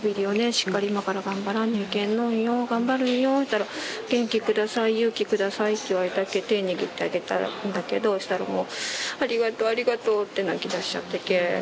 しっかり今から頑張らにゃいけんのんよ頑張るんよ」と言ったら「元気下さい勇気下さい」って言われたっけ手にぎってあげたんだけどしたらもう「ありがとうありがとう」って泣きだしちゃったけぇ。